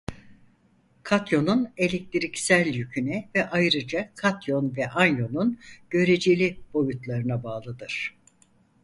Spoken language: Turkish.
Katyonun elektriksel yüküne ve ayrıca katyon ve anyonun göreceli boyutlarına bağlıdır.